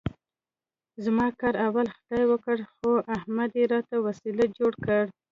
زما کار اول خدای وکړ، خو احمد یې راته وسیله جوړ کړ.